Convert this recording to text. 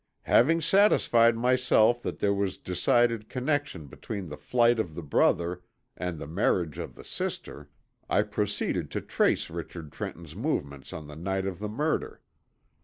"Having satisfied myself that there was decided connection between the flight of the brother and the marriage of the sister, I proceeded to trace Richard Trenton's movements on the night of the murder.